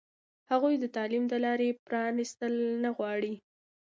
هغوی د تعلیم د لارې پرانستل نه غوښتل.